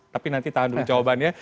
tapi nanti tahan dulu jawabannya